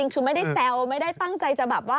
คือไม่ได้แซวไม่ได้ตั้งใจจะแบบว่า